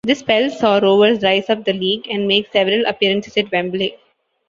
This spell saw Rovers rise up the league and make several appearances at Wembley.